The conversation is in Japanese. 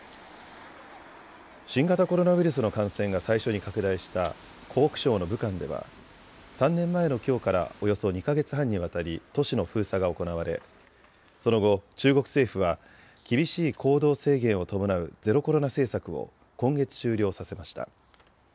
新型コロナウイルスの感染が最初に拡大した湖北省の武漢では３年前のきょうからおよそ２か月半にわたり都市の封鎖が行われその後、中国政府は厳しい行動制限を伴うゼロコロナ政策を今月、終了させました。